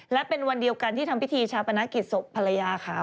และเป็นวันเดียวกันที่ทำพิธีชาปนกิจศพภรรยาเขา